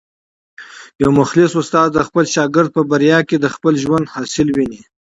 یو مخلص استاد د خپل شاګرد په بریا کي د خپل ژوند حاصل ویني.